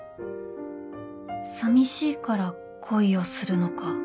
寂しいから恋をするのか